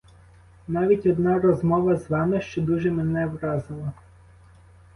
Навіть одна розмова з вами, що дуже мене вразила.